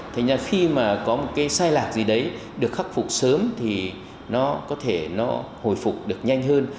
thế nhưng khi mà có một cái sai lạc gì đấy được khắc phục sớm thì nó có thể nó hồi phục được nhanh hơn